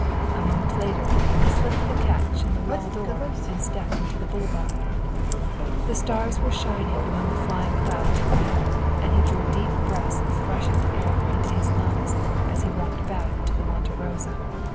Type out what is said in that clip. A moment later he slipped the catch in the wall door and stepped into the boulevard. The stars were shining among the flying clouds overhead and he drew deep breaths of the freshened air into his lungs as he walked back to the Monte Rosa.